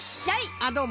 あっどうも。